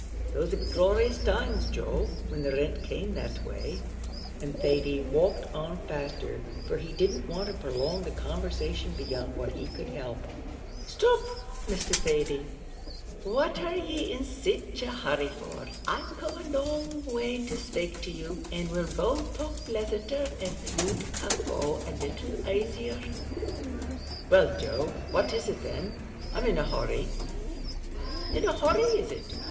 "Those 'd be glorious times, Joe, when the rint came that way," and Thady walked on faster, for he didn't want to prolong the conversation beyond what he could help. "Stop, Mr. Thady; what are ye in sich a hurry for? I've come a long way to spake to you and we'll both talk pleasanter av' you'd go a little aisier." "Well, Joe, what is it then? I'm in a hurry." "In a hurry is it?